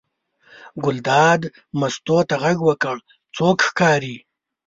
ګلداد مستو ته غږ وکړ: څوک ښکاري.